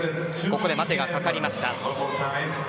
ここで待てがかかりました。